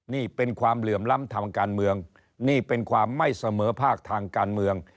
นี่เป็นความเหลื่อมล้ำทางการเมืองนี่เป็นความไม่เสมอภาคทางการเมือง